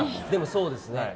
そうですね。